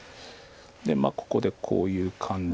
でここでこういう感じ。